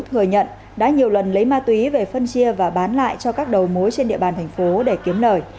trang long và hiếu thừa nhận đã nhiều lần lấy ma túy về phân chia và bán lại cho các đầu mối trên địa bàn thành phố để kiếm lời